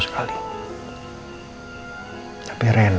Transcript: dan aku buat selama ini lot